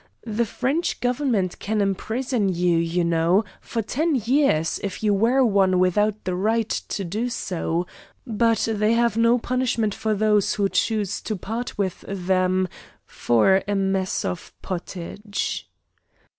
The French government can imprison you, you know, for ten years, if you wear one without the right to do so, but they have no punishment for those who choose to part with them for a mess of pottage.